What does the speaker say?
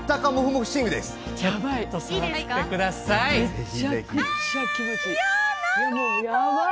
これめっちゃ気持ちいい！